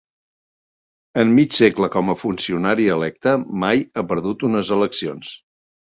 En mig segle com a funcionari electe, mai ha perdut unes eleccions.